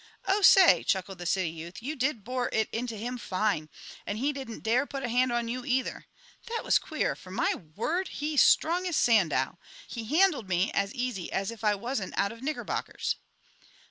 "Oh, say," chuckled the city youth, "you did bore it into him fine! And he didn't dare put a hand on you, either. That was queer, for, my word! he's strong as Sandow. He handled me as easy as if I wasn't out of knickerbockers."